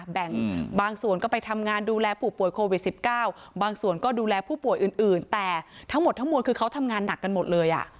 แบ่งบางส่วนก็ไปทำงานดูแลผู้ป่วยโควิด๑๙บางส่วนก็ดูแลผู้ป่วยอื่นแต่ทั้งหมดทั้งมวลคือเขาทำงานหนักกันหมดเลย